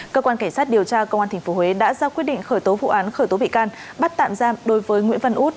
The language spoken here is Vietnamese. cơ quan cảnh sát điều tra công an tp huế đã ra quyết định khởi tố vụ án khởi tố bị can bắt tạm giam đối với nguyễn văn út